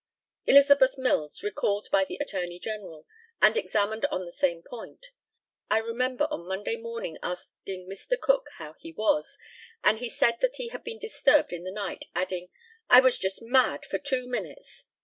ELIZABETH MILLS, recalled by the ATTORNEY GENERAL, and examined on the same point: I remember on Monday morning asking Mr. Cook how he was, and he said that he had been disturbed in the night, adding, "I was just mad for two minutes."